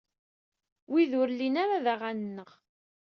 Wid ur llin ara d aɣanen-nneɣ.